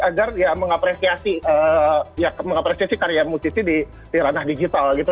agar ya mengapresiasi karya musisi di ranah digital gitu